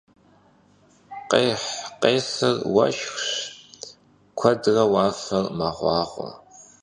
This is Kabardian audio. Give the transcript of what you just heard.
Khêx - khêsır vueşşxş, kuedre vuafer meğuağue.